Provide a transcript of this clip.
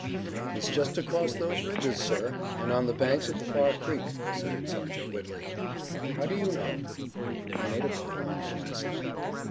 "He's just across those ridges, sir, and on the banks of the far creek," said Sergeant Whitley. "How do you know?" "I made a call on him last night."